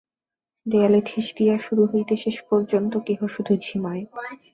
দেয়ালে ঠেস দিযা শুরু হইতে শেষ পর্যন্ত কেহ শুধু ঝিমায়।